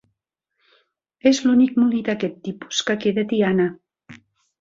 És l'únic molí d'aquest tipus que queda a Tiana.